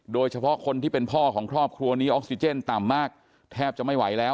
โดยเฉพาะคนที่เป็นพ่อของครอบครัวนี้ออกซิเจนต่ำมากแทบจะไม่ไหวแล้ว